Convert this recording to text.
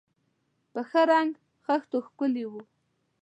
په ښه رنګ خښتو ښکلي و.